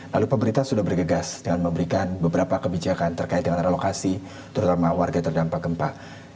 lalu pemerintah sudah bergegas dengan memberikan beberapa kebijakan terkait dengan relokasi terutama warga terdampak gempa